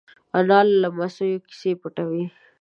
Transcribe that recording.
انا له لمسيو کیسې پټوي